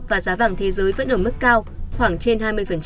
và giá vàng thế giới vẫn ở mức cao khoảng trên hai mươi